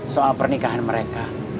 soal pernikahan mereka